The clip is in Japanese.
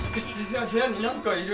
部屋になんかいる！